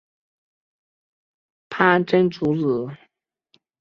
潘珍族子。